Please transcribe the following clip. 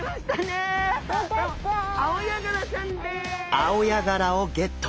アオヤガラをゲット。